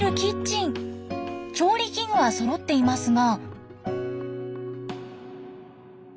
調理器具はそろっていますが。